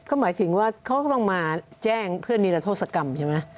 ก็หมายถึงว่าเขาก็ต้องมาแจ้งเพื่อนนิรโทษกรรมใช่ไหม